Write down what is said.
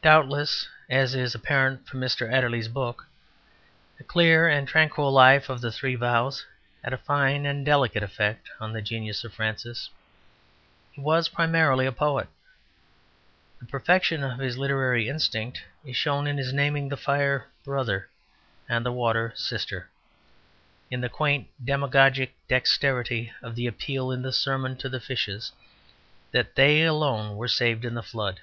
Doubtless, as is apparent from Mr Adderley's book, the clear and tranquil life of the Three Vows had a fine and delicate effect on the genius of Francis. He was primarily a poet. The perfection of his literary instinct is shown in his naming the fire 'brother,' and the water 'sister,' in the quaint demagogic dexterity of the appeal in the sermon to the fishes 'that they alone were saved in the Flood.'